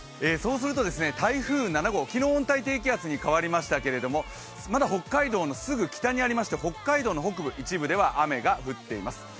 台風７号、昨日、温帯低気圧に変わりましたけれどもまだ北海道のすぐ北にありまして北海道の北部、一部では雨が降っています。